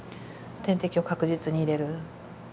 点滴を確実に入れる。